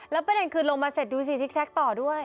แล้วแปดเองคือลงมาเสร็จดูสีทิกแซกต่อด้วย